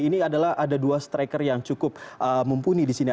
ini adalah ada dua striker yang cukup mumpuni di sini